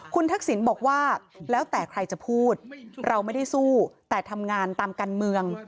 คุณทักษิณบอกว่าแล้วแต่ใครจะพูดเราไม่ได้สู้แต่ทำงานตามการเมือง